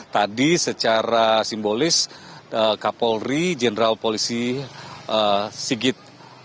tadi secara simbolis kapolri jenderal polisi sigit